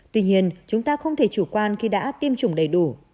tuy nhiên chúng ta không thể chủ quan khi đã tiêm chủng đầy đủ